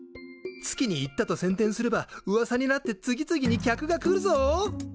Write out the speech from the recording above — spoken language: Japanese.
月に行ったと宣伝すればうわさになって次々に客が来るぞ！